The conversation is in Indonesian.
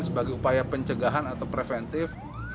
sebagai upaya pencegahan atau preventif